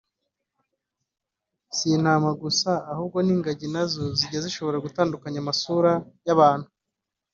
sintama gusa ahubwo n’ingagi nazo zijya zishobora gutandukanya amasura y’abantu